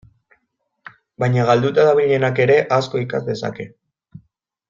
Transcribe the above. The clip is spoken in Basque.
Baina galduta dabilenak ere asko ikas dezake.